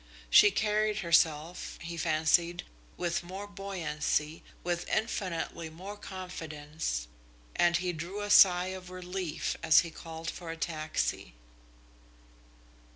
She carried herself, he fancied, with more buoyancy, with infinitely more confidence, and he drew a sigh of relief as he called for a taxi.